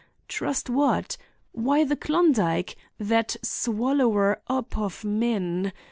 Trust what? Why the Klondike! That swallower up of men.